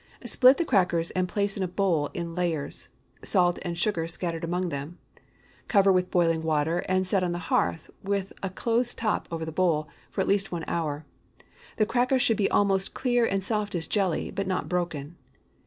Split the crackers, and pile in a bowl in layers, salt and sugar scattered among them. Cover with boiling water and set on the hearth, with a close top over the bowl, for at least one hour. The crackers should be almost clear and soft as jelly, but not broken.